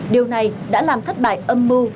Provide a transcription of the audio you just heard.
điều này đã làm thất bại âm mưu